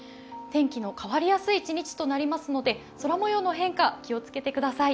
天気の変わりやすい一日となりますので空もようの変化、気をつけてください。